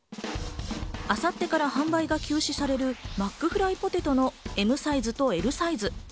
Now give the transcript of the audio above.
明後日から販売が休止されるマックフライポテトのＭサイズとＬサイズ。